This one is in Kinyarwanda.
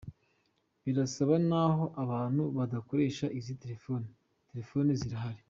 Birasa n’aho abantu badakoresha izi telefoni, telefoni zirahari.